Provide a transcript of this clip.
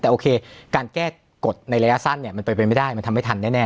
แต่โอเคการแก้กฎในระยะสั้นเนี่ยมันเป็นไปไม่ได้มันทำไม่ทันแน่